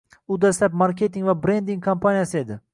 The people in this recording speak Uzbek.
u dastlab marketing va brending kompaniyasi edi.